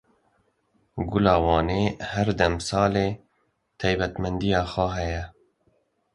Gola Wanê her demsalê taybetmendiya xwe heye.